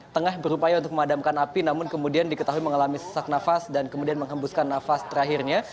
tengah berupaya untuk memadamkan api namun kemudian diketahui mengalami sesak nafas dan kemudian menghembuskan nafas terakhirnya